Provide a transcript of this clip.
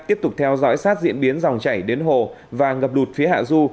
tiếp tục theo dõi sát diễn biến dòng chảy đến hồ và ngập lụt phía hạ du